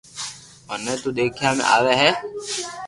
منو تو ديکيا ۾ آوي ھي